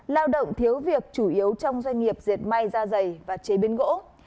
lao động thiếu việc chủ yếu trong doanh nghiệp diệt may da dày và chế biến gỗ